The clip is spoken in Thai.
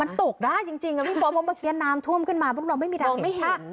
มันตกได้จริงพี่โป๊เพราะเมื่อกี้น้ำท่วมขึ้นมาพวกเราไม่มีทางไม่เห็น